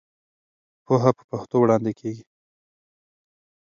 پوهه په پښتو وړاندې کېږي.